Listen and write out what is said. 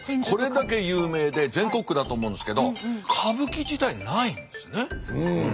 これだけ有名で全国区だと思うんですけど歌舞伎自体ないんですね。